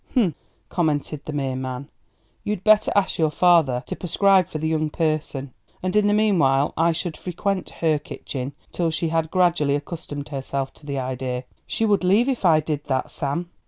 "Hum!" commented the mere man; "you'd better ask your father to prescribe for the young person; and in the meanwhile I should frequent 'her kitchen' till she had gradually accustomed herself to the idea." "She would leave if I did that, Sam."